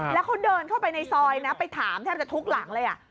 แล้วเขาเดินเข้าไปในซอยนะไปถามแทบจะทุกหลังเลย